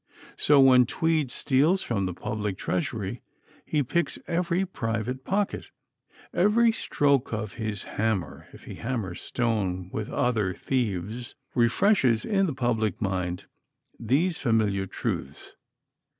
So when Tweed steals from the public treasury he picks every private pocket. Every stroke of his hammer, if he hammers stone with other thieves, refreshes in the public mind these familiar truths.